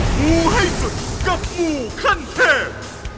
หมูให้สุดกับหมูคันแทบ